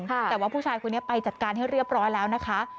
แต่ว่าผู้ชายคนนี้ไปจัดการให้เรียบร้อยแล้วนะคะ